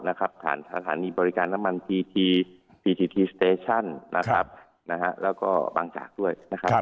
อาหารบริการน้ำมันและบางจากด้วย